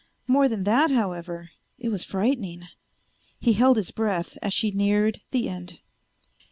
More than that, however, it was frightening. He held his breath as she neared the end.